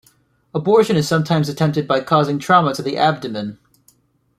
Abortion is sometimes attempted by causing trauma to the abdomen.